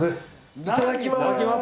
いただきます。